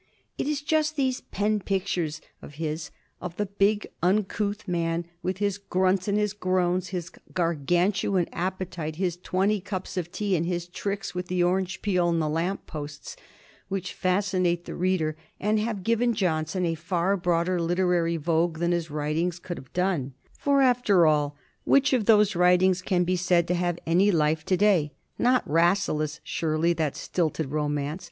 It is just these pen pictures of his of the big, uncouth man, with his grunts and his groans, his Gargantuan appetite, his twenty cups of tea, and his tricks with the orange peel and the lamp posts, which fascinate the reader, and have given Johnson a far broader literary vogue than his writings could have done. For, after all, which of those writings can be said to have any life to day? Not "Rasselas," surely—that stilted romance.